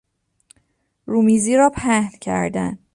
رومیزی را پهن کردن